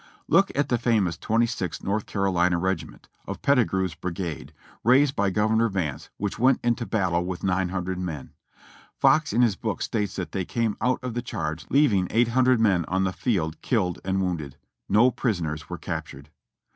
Look at the famous Twenty sixth North Carolina Regiment (of Pettigrew's brigade) raised by Gov. Vance, which went into bat tle with 900 men. Fox in his book states that they came out of the charge leaving 800 men on the field killed and wounded ; no prisoners were captured.